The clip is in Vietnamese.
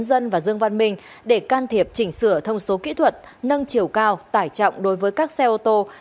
dân và dương văn minh để can thiệp chỉnh sửa thông số kỹ thuật nâng chiều cao tải trọng đối với các xe ô tô